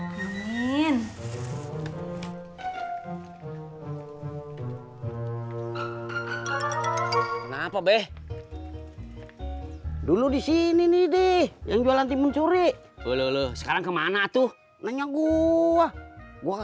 kenapa beh dulu di sini nih deh yang jualan timun suri lululuh sekarang kemana tuh nanya gua gua ga